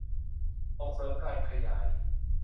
ส่งเสริมการขยาย